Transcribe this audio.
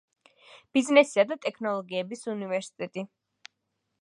ბიზნესისა და ტექნოლოგიების უნივერსიტეტი